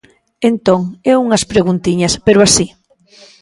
Entón, eu unhas preguntiñas, pero así.